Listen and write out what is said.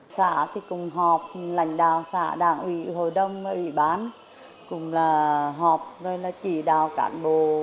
xã thì cùng họp lãnh đạo xã đảng ủy hội đồng ủy bán cùng là họp rồi là chỉ đạo cản bộ